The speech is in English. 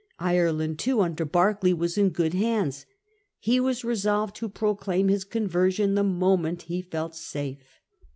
Ireland too, under Berkeley, was in good hands. He was re solved to proclaim his conversion the moment he felt safe.